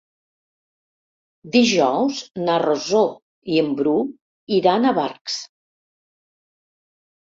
Dijous na Rosó i en Bru iran a Barx.